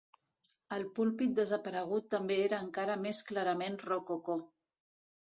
El púlpit desaparegut també era encara més clarament rococó.